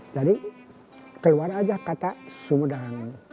jadi keluar aja kata sumudang